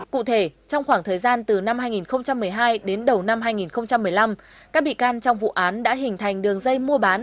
cụ thể trong khoảng thời gian từ năm hai nghìn một mươi hai đến đầu năm hai nghìn một mươi năm các bị can trong vụ án đã hình thành đường dây mua bán